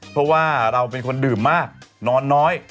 เพราะว่าเราเป็นคนดื่มมากนอนน้อย